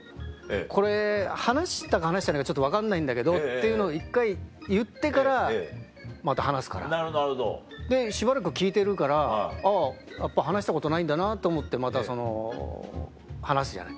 「これ話したか話してないか分かんないんだけど」っていうの１回言ってからまた話すから。でしばらく聞いてるから話したことないんだなと思ってまたその話すじゃない。